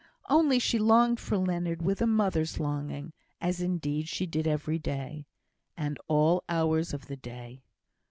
Only she longed for Leonard with a mother's longing, as indeed she did every day, and all hours of the day.